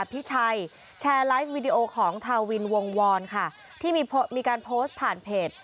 พี่ชัยแชร์ไลฟ์วิดีโอของทาวินวงวรค่ะที่มีการโพสต์ผ่านเพจ